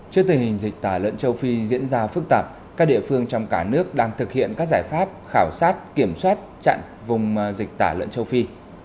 trước tình hình dịch tả lợn châu phi diễn ra phức tạp các địa phương trong cả nước đang thực hiện các giải pháp khảo sát kiểm soát chặn vùng dịch tả lợn châu phi